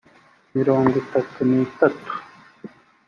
mirongo itatu n itatu